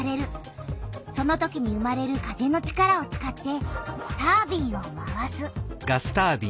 そのときに生まれる風の力を使ってタービンを回す。